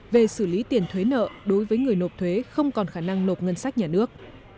về xử lý tiền thuế nợ đối với người nộp thuế không còn khả năng nộp ngân sách nhà nước